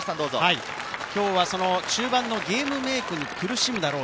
今日は中盤のゲームメークに苦しむだろう。